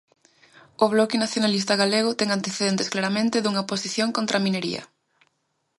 O Bloque Nacionalista Galego ten antecedentes claramente dunha posición contra a minería.